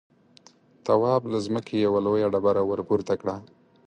تواب له ځمکې يوه لويه ډبره ورپورته کړه.